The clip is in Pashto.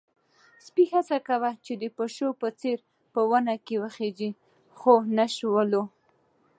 سپی هڅه کوله چې د پيشو په څېر په ونې وخيژي، خو ونه شول.